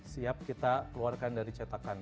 siap kita keluarkan dari cetakan